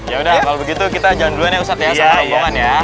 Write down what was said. ya udah kalau begitu kita jalan duluan ya ustadz ya sama rombongan ya